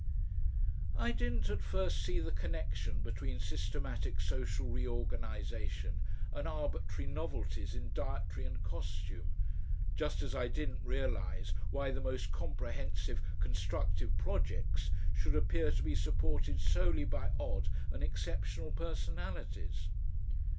I didn't at first see the connection between systematic social reorganisation and arbitrary novelties in dietary and costume, just as I didn't realise why the most comprehensive constructive projects should appear to be supported solely by odd and exceptional personalities.